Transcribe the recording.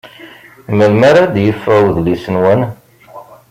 Melmi ara d-yeffeɣ wedlis-nwen?